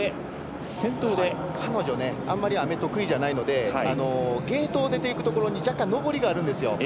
彼女あまり雨が得意じゃないのでゲートを出ていくときに少し上りがあるんですよ。